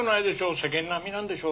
世間並みなんでしょ？